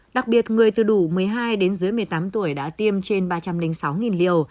đặc biệt người từ đủ một mươi hai đến dưới một mươi tám tuổi đã tiêm trên ba trăm linh sáu liều